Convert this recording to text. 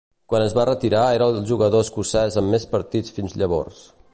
Quan es va retirar era el jugador escocès amb més partits fins llavors.